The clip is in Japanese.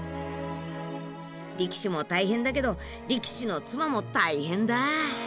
力士も大変だけど力士の妻も大変だ。